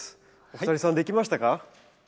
お二人さんできましたか？